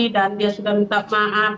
dan dia sudah minta maaf